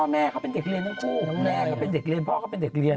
แม่เขาเป็นเด็กเรียนพ่อเขาเป็นเด็กเรียน